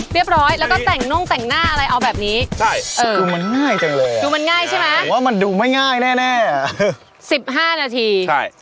เรียบร้อยแล้วก็แต่งน่องแต่งหน้าอะไรถูกเอาแบบนี้